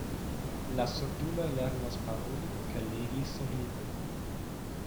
La surduloj lernas paroli kaj legi sur lipo.